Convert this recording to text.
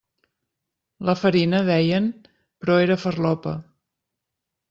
La farina, deien, però era farlopa.